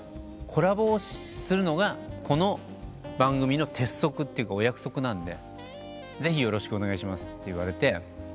「コラボするのがこの番組の鉄則というかお約束なんでぜひよろしくお願いします」と。